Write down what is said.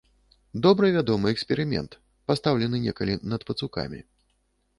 Добра вядомы эксперымент, пастаўлены некалі над пацукамі.